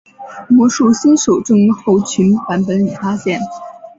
魔术新手症候群版本里发现。